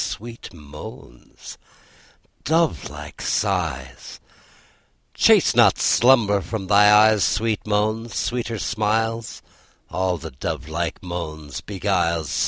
Sweet moans, dovelike sighs, Chase not slumber from thy eyes! Sweet moans, sweeter smiles, All the dovelike moans beguiles.